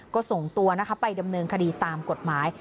ก็ส่งตัวนะคะไปดำเนินคดีตามกฎหมาย